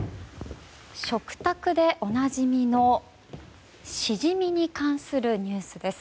食卓でおなじみのシジミに関するニュースです。